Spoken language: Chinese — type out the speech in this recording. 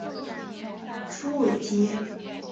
朱伟捷。